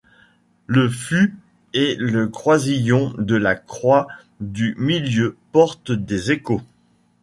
Le fût et le croisillon de la croix du milieu portent des écots.